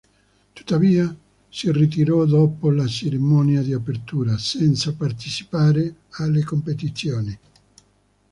Tuttavia si ritirò dopo la cerimonia di apertura, senza partecipare alle competizioni.